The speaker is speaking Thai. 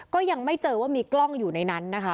ก็ยังไม่เจอว่ามีกล้องอยู่ในนั้นนะคะ